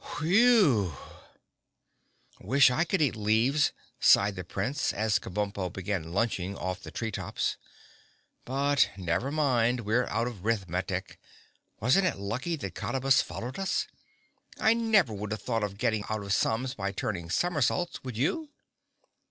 "Whe—w!" "Wish I could eat leaves," sighed the Prince, as Kabumpo began lunching off the tree tops. "But, never mind, we're out of Rith Metic! Wasn't it lucky that Cottabus followed us? I never would have thought of getting out of sums by somersaulting. Would you?"